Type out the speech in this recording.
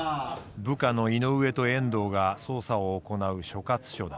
部下の井上と遠藤が捜査を行う所轄署だ。